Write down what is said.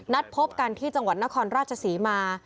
พบกันที่จังหวัดนครราชศรีมา